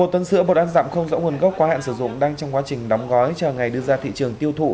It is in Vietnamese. một mươi một tấn sữa bột ăn rặm không rõ nguồn gốc quá hạn sử dụng đang trong quá trình đóng gói cho ngày đưa ra thị trường tiêu thụ